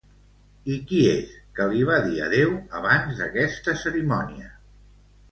I qui és que li va dir adeu abans d'aquesta cerimònia?